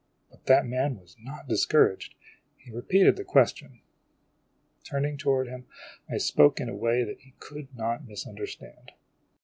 But that man was not discouraged. He repeated the question. Turning toward him, I spoke in a way he could not misunderstand.